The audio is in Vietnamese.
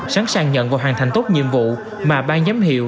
sẵn sàng nhận và hoàn thành tốt nhiệm vụ mà ban giám hiệu